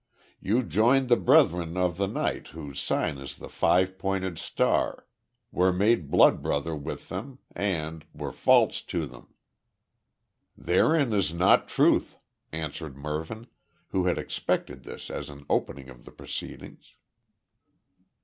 "You joined the Brethren of the Night whose sign is the Five Pointed Star were made blood brother with them, and were false to them." "Therein is not truth," answered Mervyn, who had expected this as an opening of the proceedings.